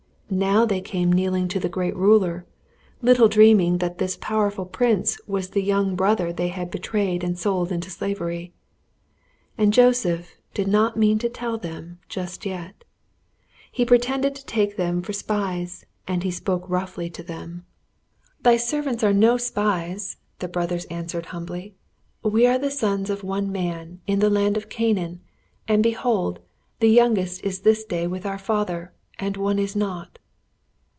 Now they came kneeling to the great ruler, little dreaming that this powerful prince was the young brother they had betrayed and sold into slavery. And Joseph did not mean to tell them just yet. He pretended to take them for spies, and he spoke roughly to them. "Thy servants are no spies," the brothers answered humbly. "We are the sons of one man, in the land of Canaan, and, behold, the youngest is this day with our father, and one is not."